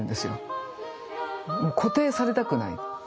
もう固定されたくない。